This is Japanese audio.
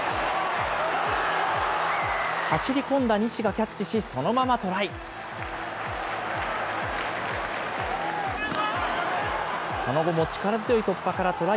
走り込んだ西がキャッチし、そのままトライ。